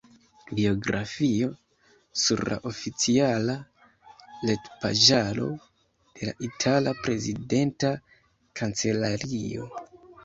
Biografio sur la oficiala retpaĝaro de la itala prezidenta kancelario.